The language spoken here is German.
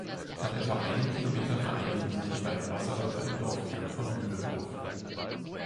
Nach etwa einem Kilometer vereinigen sich die beiden Wasserläufe im Dorfkern von Mühledorf.